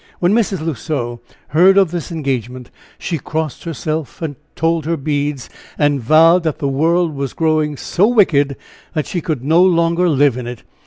When Mrs. L'Oiseau heard of this engagement, she crossed herself, and told her beads, and vowed that the world was growing so wicked that she could no longer live in it.